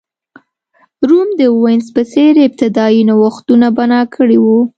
روم د وینز په څېر ابتدايي نوښتونه بنا کړي وو.